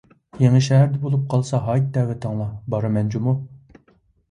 يېڭىشەھەردە بولۇپ قالسا ھايت دەۋىتىڭلار، بارىمەن جۇمۇ.